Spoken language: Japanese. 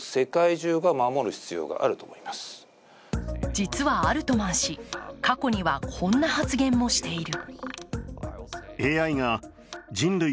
実はアルトマン氏、過去にはこんな発言もしている。